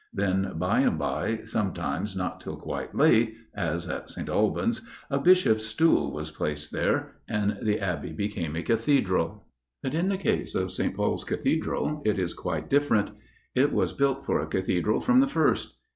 Then by and by, sometimes not till quite late, as at St. Albans, a 'Bishop's Stool' was placed there, and the Abbey became a Cathedral. But in the case of St. Paul's Cathedral it is quite different. It was built for a Cathedral from the first.